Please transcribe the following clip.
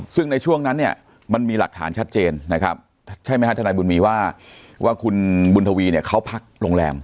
ซึ่งในช่วงนั้นเนี่ยมันมีหลักฐานชัดเจนนะครับใช่ไหมฮะทนายบุญมีว่าคุณบุญทวีเนี่ยเขาพักโรงแรม